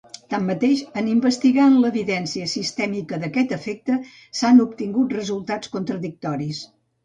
Tanmateix, en investigar en l'evidència sistèmica d'aquest efecte s'han obtingut resultats contradictoris.